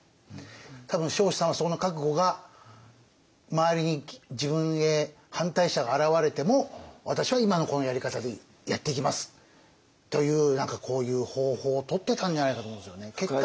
多分彰子さんはその覚悟が周りに自分へ反対者が現れても私は今のこのやり方でやっていきますという何かこういう方法をとってたんじゃないかと思うんですよね。